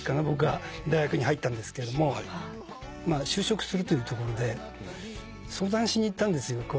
僕が大学に入ったんですけれども就職するというところで相談しに行ったんですよ。